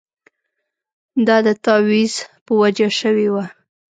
دا د تاویز په وجه شوې وه.